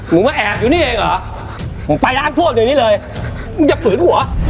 มึงมาแอบอยู่นี่เองเหรอมึงไปร้านพ่วนเลยนี่เลยมึงจะฝืนหัว